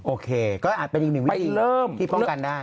โอเคก็อาจเป็นอีกหนึ่งวิธีที่ป้องกันได้